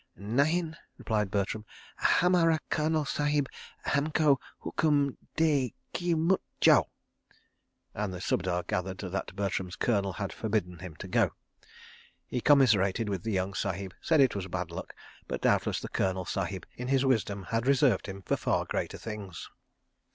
"Nahin," replied Bertram. "Hamara Colonel Sahib hamko hookum dea ki 'Mut jao,'" and the Subedar gathered that Bertram's Colonel had forbidden him to go. He commiserated with the young Sahib, said it was bad luck, but doubtless the Colonel Sahib in his wisdom had reserved him for far greater things.